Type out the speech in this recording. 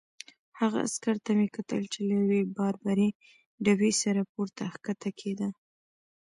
هغه عسکر ته مې کتل چې له یوې باربرې ډبې سره پورته کښته کېده.